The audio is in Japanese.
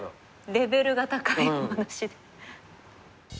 レベルが高いお話で。